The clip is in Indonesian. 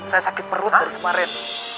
saya sakit perut kemarin